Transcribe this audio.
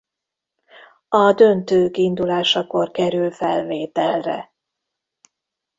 A döntők indulásakor kerül felvételre.